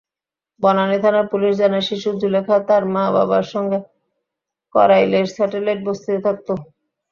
বনানী থানার পুলিশ জানায়, শিশু জুলেখা তার মা-বাবার সঙ্গে কড়াইলের স্যাটেলাইট বস্তিতে থাকত।